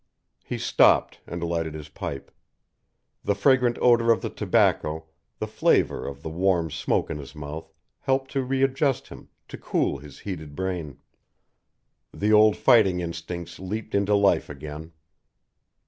He stopped and lighted his pipe. The fragrant odor of the tobacco, the flavor of the warm smoke in his mouth, helped to readjust him, to cool his heated brain. The old fighting instincts leaped into life again.